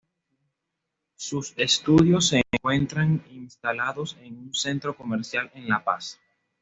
Sus estudios se encuentran instalados en un centro comercial, en La Paz.